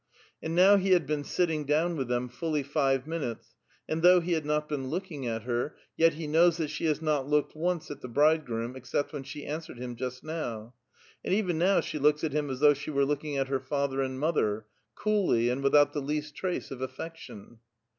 And now he had lK.*eu sittinsr down with them fullv five min utos ; and tiiough he had ni>t been looking at her, yet he knows that she has not looked once at the bridegroom, ex cept wlien she answered him just now. And even now she looks at him as thouuh she were lookinor at her father and mother, — coollv, and without the least trace of affection.